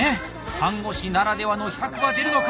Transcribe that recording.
看護師ならではの秘策は出るのか？